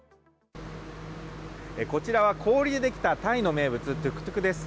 こちらは氷でできたタイの名物、トゥクトゥクです。